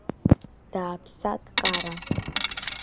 Дааԥса-дкаран.